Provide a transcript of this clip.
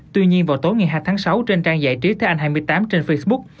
tuy nhiên vào tối ngày hai tháng sáu trên trang giải trí thế anh hai mươi tám trên facebook